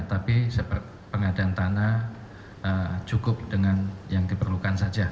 tapi pengadaan tanah cukup dengan yang diperlukan saja